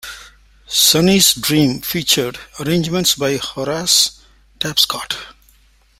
"Sonny's Dream" featured arrangements by Horace Tapscott.